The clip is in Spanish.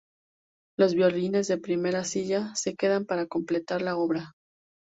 Los violines de primera silla se quedan para completar la obra.